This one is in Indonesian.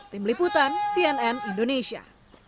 tim liputan cnn indonesia